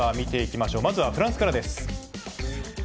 まずは、フランスからです。